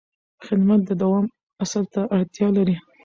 خدمت د دوام اصل ته اړتیا لري.